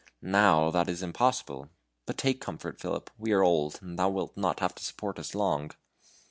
NOW that is impossible. But take comfort, Philip. We are old, and thou wilt not have to support us long."